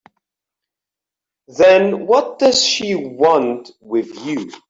Then what does she want with you?